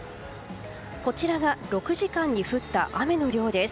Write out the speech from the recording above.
こちらが６時間に降った雨の量です。